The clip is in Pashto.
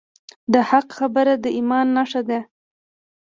د حق خبره د ایمان نښه ده.